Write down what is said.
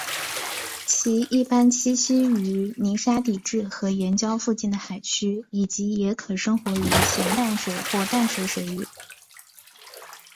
其一般栖息于泥沙底质和岩礁附近的海区以及也可生活于咸淡水或淡水水域。